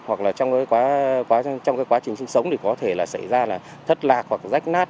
hoặc trong quá trình sinh sống thì có thể xảy ra thất lạc hoặc rách nát